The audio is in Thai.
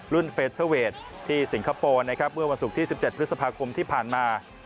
เฟเทอร์เวทที่สิงคโปร์นะครับเมื่อวันศุกร์ที่๑๗พฤษภาคมที่ผ่านมา